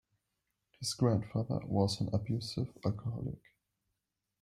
His grandfather was an abusive alcoholic.